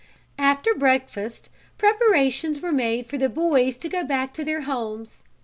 After breakfast preparations were made for the boys to go back to their homes.